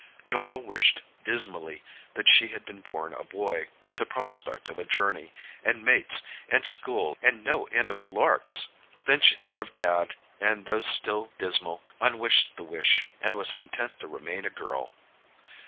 Norah wished dismally that she had been born a boy, with the prospect of a journey, and mates, and school, and "no end of larks." Then she thought of Dad, and though still dismal, unwished the wish, and was content to remain a girl.